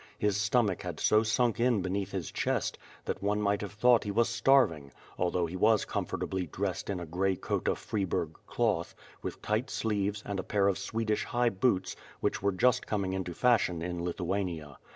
His stomach had so sunk in beneath his chest that one might have thought he was starving, although he was comfortably dressed in a gray coat of Freiburg cloth, with tight sleeves, and a pair of Swed ish high boots, which were just coming into fashion in Litnuania.